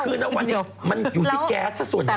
คือนักวันนี้มันอยู่ที่แก๊สส่วนใหญ่